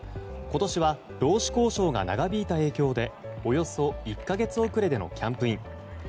今年は労使交渉が長引いた影響でおよそ１か月遅れでのキャンプイン。